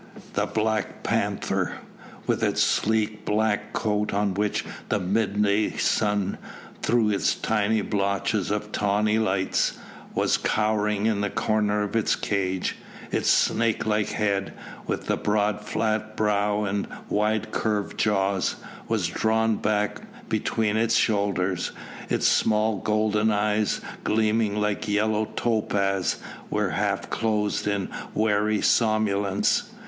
The black panther with its sleek black coat on which the midday sun threw tiny blotches of tawny lights was cowering in a corner of its cage; its snake like head, with the broad flat brow and wide curved jaws, was drawn back between its shoulders, its small golden eyes, gleaming like yellow topaz, were half closed in wary somnolence.